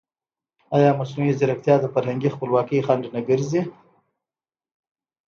ایا مصنوعي ځیرکتیا د فرهنګي خپلواکۍ خنډ نه ګرځي؟